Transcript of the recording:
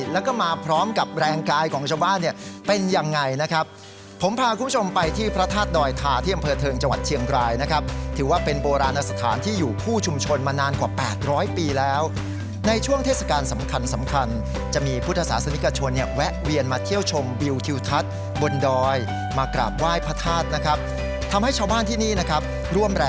แล้วก็มาพร้อมกับแรงกายของชาวบ้านเนี่ยเป็นยังไงนะครับผมพาคุณผู้ชมไปที่พระทาสดอยทาที่อำเภอเทิงจังหวัดเชียงกรายนะครับถือว่าเป็นโบราณสถานที่อยู่ผู้ชุมชนมานานกว่าแปดร้อยปีแล้วในช่วงเทศกาลสำคัญสำคัญจะมีผู้ทศาสนิกชนเนี่ยแวะเวียนมาเที่ยวชมบิลทิวทัศน์บนดอยมากร